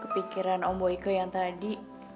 kepikiran om boyke yang tadi